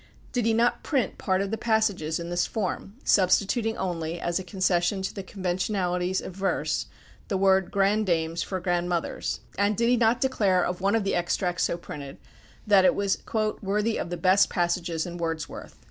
Did he not print part of the passages in this form, substituting only, as a concession to the conventionalities of verse, the word "grandames" for "grandmothers"; and did he not declare of one of the extracts so printed that it was "worthy of the best passages in Wordsworth"?